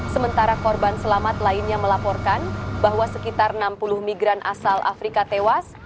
sementara korban selamat lainnya melaporkan bahwa sekitar enam puluh migran asal afrika tewas